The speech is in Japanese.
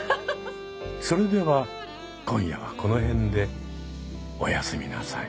それでは今夜はこの辺でお休みなさい。